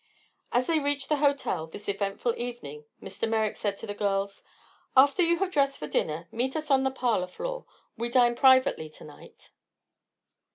As they reached the hotel this eventful evening Mr. Merrick said to the girls: "After you have dressed for dinner meet us on the parlor floor. We dine privately to night."